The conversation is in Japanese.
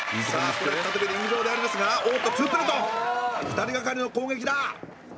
ここで再びリング上でありますがおーっとツープラトン２人がかりの攻撃だ！